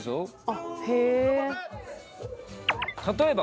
あっへえ。